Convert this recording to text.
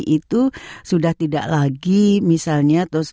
itu sudah tidak lagi misalnya